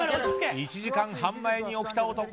１時間半前に起きた男。